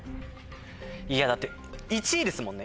いやだって１位ですもんね？